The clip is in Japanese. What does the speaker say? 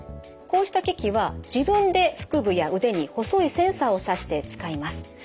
こうした機器は自分で腹部や腕に細いセンサーを刺して使います。